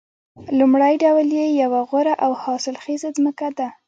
لومړی ډول یې یوه غوره او حاصلخیزه ځمکه ده